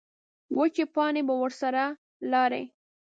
وچې پاڼې به ورسره لاړې.